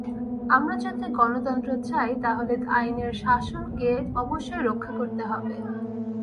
আমরা যদি গণতন্ত্র চাই, তাহলে আইনের শাসনকে অবশ্যই রক্ষা করতে হবে।